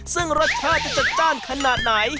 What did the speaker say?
ซึ่งรสชาติจะจัดจ้านขนาดไหน